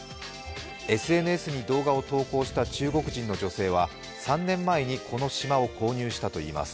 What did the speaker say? ＳＮＳに動画を投稿した中国人の女性は３年前にこの島を購入したといいます。